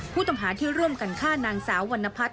ผู้ต้องหาที่ร่วมกันฆ่านางสาววรรณพัฒน